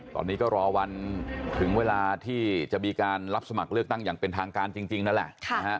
ตอนนี้ก็รอวันถึงเวลาที่จะมีการรับสมัครเลือกตั้งอย่างเป็นทางการจริงนั่นแหละ